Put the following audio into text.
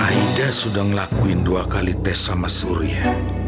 aida sudah ngelakuin dua kali tes sama surya